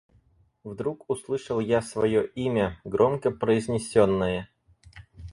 Вдруг услышал я свое имя, громко произнесенное.